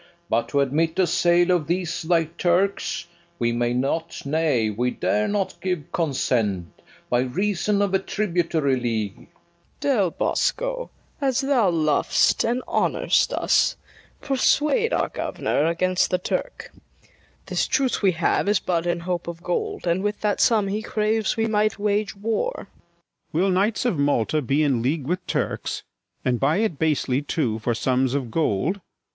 But to admit a sale of these thy Turks, We may not, nay, we dare not give consent, By reason of a tributary league. FIRST KNIGHT. Del Bosco, as thou lov'st and honour'st us, Persuade our governor against the Turk: This truce we have is but in hope of gold, And with that sum he craves might we wage war. MARTIN DEL BOSCO. Will knights of Malta be in league with Turks, And buy it basely too for sums of gold?